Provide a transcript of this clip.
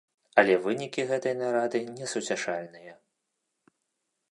Але вынікі гэтай нарады несуцяшальныя.